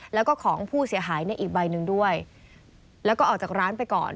แล้วก็ของผู้เสียหายในอีกใบหนึ่งด้วยแล้วก็ออกจากร้านไปก่อน